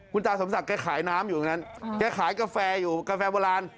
คุณตาสมศักดิ์ขายน้ำอยู่ตรงนั้นแกขายกาแฟอยู่กาแฟโบราณ